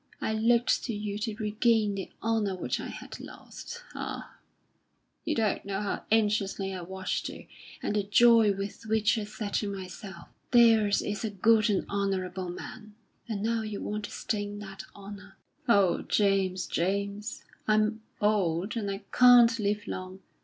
I looked to you to regain the honour which I had lost. Ah! you don't know how anxiously I watched you, and the joy with which I said to myself, 'There is a good and honourable man.' And now you want to stain that honour. Oh, James, James! I'm old, and I can't live long.